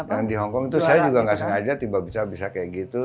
yang di hongkong itu saya juga nggak sengaja tiba tiba bisa kayak gitu